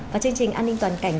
và chương trình an ninh toàn cảnh